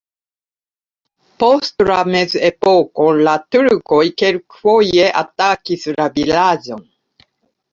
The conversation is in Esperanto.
Post la mezepoko la turkoj kelkfoje atakis la vilaĝon.